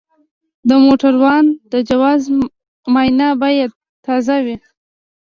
د موټروان د جواز معاینه باید تازه وي.